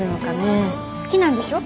好きなんでしょ？